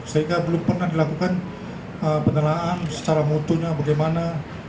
sehingga belum pernah dilakukan penelaan secara mutunya bagaimana